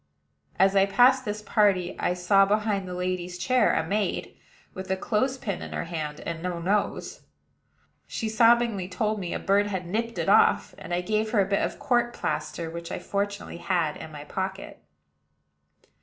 As I passed this party, I saw behind the lady's chair a maid, with a clothes pin in her hand, and no nose. She sobbingly told me a bird had nipped it off; and I gave her a bit of court plaster, which I fortunately had in my pocket.